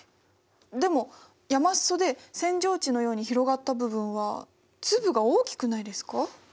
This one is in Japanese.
でも山裾で扇状地のように広がった部分は粒が大きくないですか？